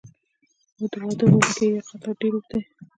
د واده ولکۍ یا قطار ډیر اوږد وي.